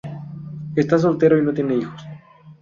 Está soltero y no tiene hijos.